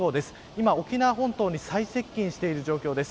今、沖縄本島に最接近してる状況です。